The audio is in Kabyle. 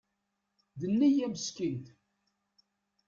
D neyya Meskint.